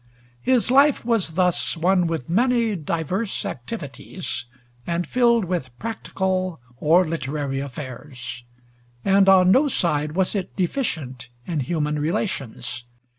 His life was thus one with many diverse activities, and filled with practical or literary affairs; and on no side was it deficient in human relations.